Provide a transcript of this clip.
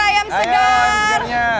ayah ayam segarnya